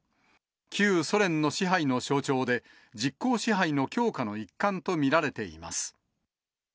旧ソ連の支配の象徴で、実効支配の強化の一環と見られています。